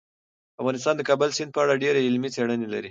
افغانستان د کابل سیند په اړه ډېرې علمي څېړنې لري.